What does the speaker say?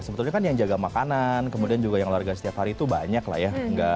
sebetulnya kan yang jaga makanan kemudian juga yang olahraga setiap hari itu banyak lah ya